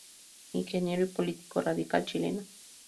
Ingeniero y político radical chileno.